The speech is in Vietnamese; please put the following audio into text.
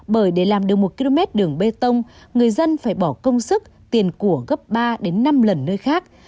bởi để làm được một km đường bê tông người dân phải bỏ công sức tiền của gấp ba đến năm lần nơi khác